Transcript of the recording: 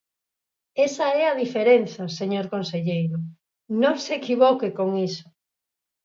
Esa é a diferenza, señor conselleiro, ¡non se equivoque con iso!